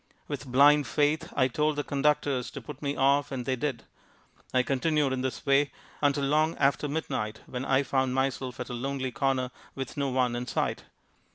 With blind faith I told the conductors to put me off and they did. I continued in this way until long after midnight when I found myself at a lonely corner with no one in sight.